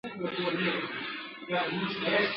د بچیو له ماتمه ژړېدله !.